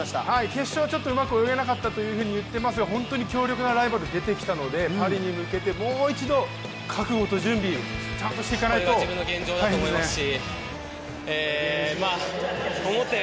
決勝はちょっとうまく泳げなかったと言ってますが、本当に強力なライバルが出てきたので、パリに向けてもう一度覚悟と準備、ちゃんとしていかないと大変ですね。